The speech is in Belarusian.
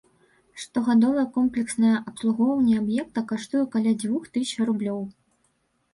Штогадовае комплекснае абслугоўванне аб'екта каштуе каля дзвюх тысяч рублёў.